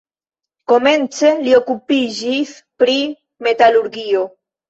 Komence li okupiĝis pri metalurgio.